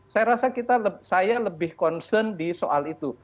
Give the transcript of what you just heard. saya rasa saya lebih concern di soal itu